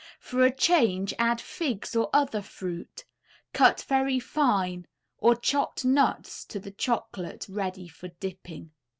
For a change add figs or other fruit, cut very fine, or chopped nuts to the chocolate ready for dipping.